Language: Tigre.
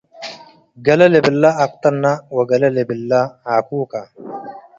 ገሌ ልብለ አቅጥነ ወገሌ ልብለ ዓኩከ